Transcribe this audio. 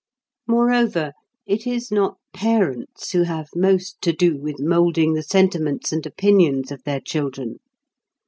Moreover, it is not parents who have most to do with moulding the sentiments and opinions of their children.